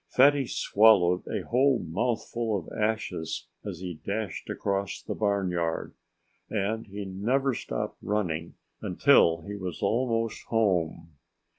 Fatty swallowed a whole mouthful of ashes as he dashed across the barnyard. And he never stopped running until he was almost home.